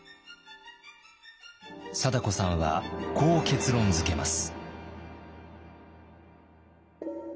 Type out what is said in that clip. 貞子さんはこう結論づけます。